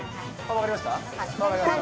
分かりました？